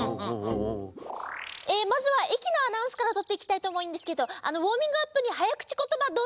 えまずはえきのアナウンスからとっていきたいとおもうんですけどウォーミングアップにはやくちことばどうぞ。